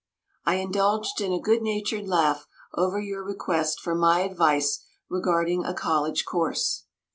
I indulged in a good natured laugh over your request for my advice regarding a college course.